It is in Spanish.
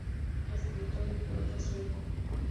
Escritor y poeta sueco.